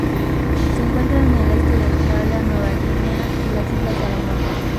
Se encuentra en el este de Australia, Nueva Guinea y las islas Salomón.